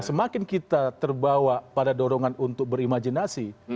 semakin kita terbawa pada dorongan untuk berimajinasi